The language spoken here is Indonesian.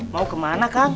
mau kemana kang